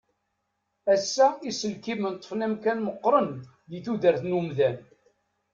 Ass-a iselkimen ṭṭfen amkan meqqren di tudert n umdan.